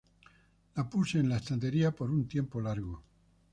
La puse en la estantería por un tiempo largo.